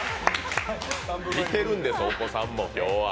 見てるんです、お子さんが、今日は。